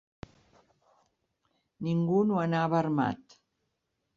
Ningú no anava armat